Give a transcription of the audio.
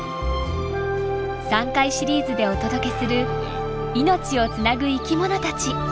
３回シリーズでお届けする「命をつなぐ生きものたち」。